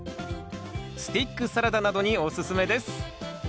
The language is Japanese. スティックサラダなどにおすすめです